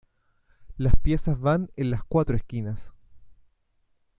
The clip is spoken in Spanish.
Las piezas van en las cuatro esquinas.